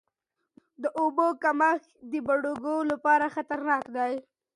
د اوبو کمښت د بډوګو لپاره خطرناک دی.